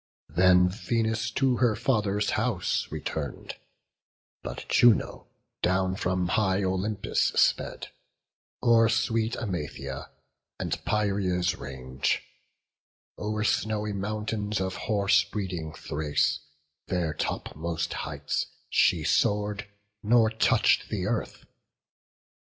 Then Venus to her father's house return'd; But Juno down from high Olympus sped; O'er sweet Emathia, and Pieria's range, O'er snowy mountains of horse breeding Thrace, Their topmost heights, she soar'd, nor touch'd the earth.